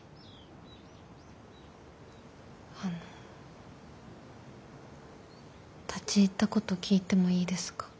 あの立ち入ったこと聞いてもいいですか？